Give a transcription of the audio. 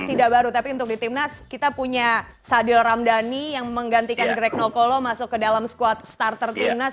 tidak baru tapi untuk di timnas kita punya sadil ramdhani yang menggantikan greg nocolo masuk ke dalam squad starter timnas